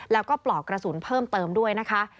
แล้วก็ปลอกกระสุนเพิ่มเติมด้วยนะคะ